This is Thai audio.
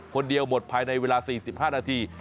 คนเดียวหมดภายในเวลา๔๕นาที